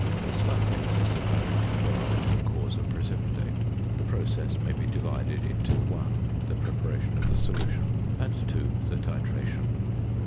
A slight excess of baric chloride will cause a precipitate. The process may be divided into (1) the preparation of the solution, and (2) the titration.